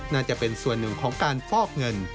น่าจะเป็นส่วนหนึ่งของการฟอกเงิน